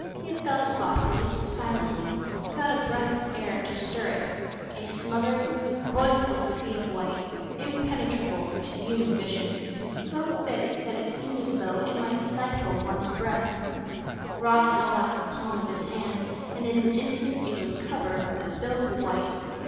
It fell softly, silently, without a breath of air to stir it; a smothering, voiceless sea of white, impenetrable to human vision, so thick that it seemed as though it might stifle one's breath. Rod held out the palm of his hand and in an instant it was covered with a film of white.